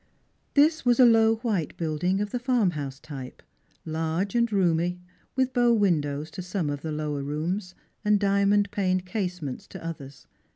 This was a low white building, of the farmhouse type, large and roomy, with bow windows to some of the lower rooms, and diamond paned case ments to others.